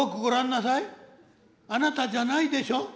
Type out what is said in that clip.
あなたじゃないでしょ」。